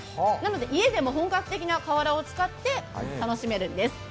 なので、家でも本格的な瓦を使って楽しめるんです。